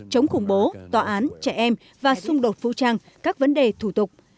chống khủng bố tòa án trẻ em và xung đột phũ trang các vấn đề thủ tục